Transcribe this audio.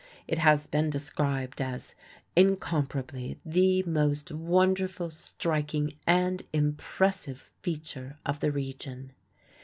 It has been described as "incomparably the most wonderful, striking and impressive feature of the region.